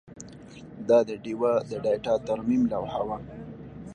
دا د ډیو د ډیټا ترمیم لوحه وه